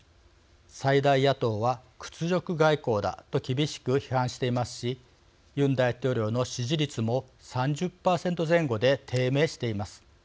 最大野党は、屈辱外交だと厳しく批判していますしユン大統領の支持率も３０％前後で低迷しています。